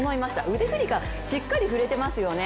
腕振りがしっかり振れていますよね